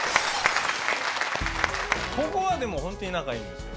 ここはでもホントに仲いいんですよね？